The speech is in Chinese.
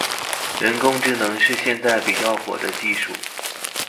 人工智能是现在比较火的技术。